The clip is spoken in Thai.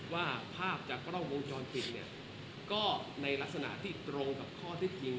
ว่าภาพจากกล้องวงจรปิดเนี่ยก็ในลักษณะที่ตรงกับข้อเท็จจริง